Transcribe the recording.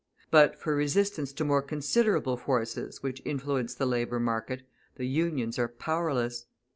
But, for resistance to more considerable forces which influence the labour market, the Unions are powerless.